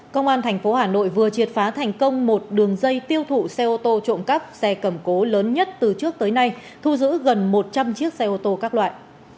công an tp hà nội vừa triệt phá thành công một đường dây tiêu thụ xe ô tô trộm cắp xe cầm cố lớn nhất từ trước tới nay thu giữ gần một trăm linh chiếc xe ô tô các loại